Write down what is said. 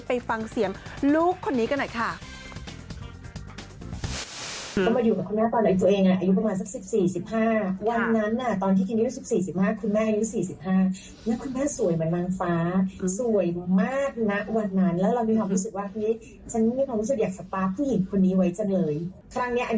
ไปฟังเสียงลูกคนนี้กันหน่อยค่ะ